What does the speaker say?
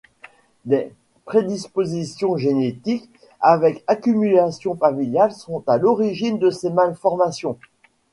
Des prédispositions génétiques avec accumulation familiale sont à l'origine de ces malformations.